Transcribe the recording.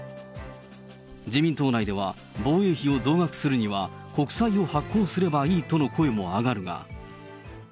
自民党内では、防衛費を増額するには国債を発行すればいいとの声も上がるが。